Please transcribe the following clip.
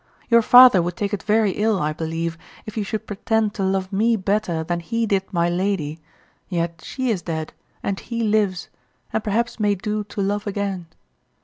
Your father would take it very ill, I believe, if you should pretend to love me better than he did my Lady, yet she is dead and he lives, and perhaps may do to love again.